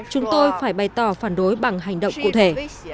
chúng tôi phải bày tỏ phản đối bằng hành động cụ thể